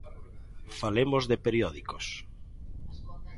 Falemos de periódicos.